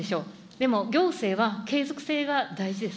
でも、行政は継続性が大事です。